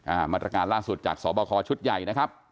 มาตรการล่าสุดจากสอบคอชุดใหญ่นะครับ